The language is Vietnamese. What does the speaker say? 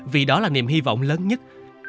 vì đó là niềm hy vọng lớn nhất